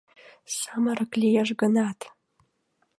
Самырык лиеш гынат...